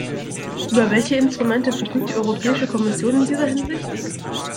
Über welche Instrumente verfügt die Europäische Kommission in dieser Hinsicht?